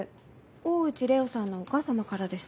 大内礼央さんのお母様からです。